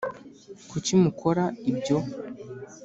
Kuki mukora ibyo